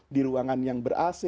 di ruangan yang ber ac